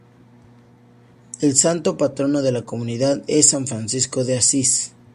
El santo patrono de la comunidad es San Francisco de Asís.